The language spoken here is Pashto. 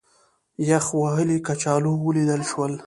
یخ وهلي کچالو ولیدل شول.